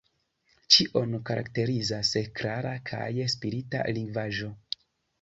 Ĉion karakterizas klara kaj sprita lingvaĵo.